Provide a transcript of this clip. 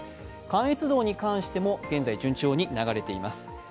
関越道に関しても現在、順調に流れています。